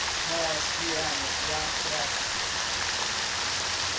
Nós viemos de Artés.